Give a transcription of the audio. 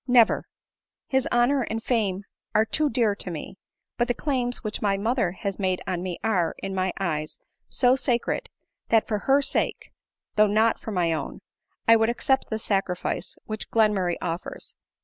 Never ^ his honor and fame are too dear to me ; but the claims which my mother has on me are, in my eyes, so sacred, that for her sake, though not for my own, I would accept the sacrifice which Glenmurray offers.